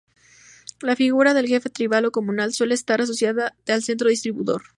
La figura del jefe tribal o comunal suele estar asociada al centro distribuidor.